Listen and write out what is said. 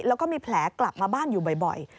แล้วก็มีแผลกลับมาบ้านอยู่บ่อย